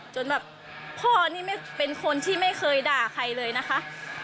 จนแบบพ่อนี่ไม่เป็นคนที่ไม่เคยด่าใครเลยนะคะ